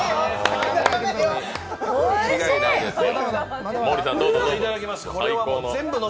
もう、間違いないですよ。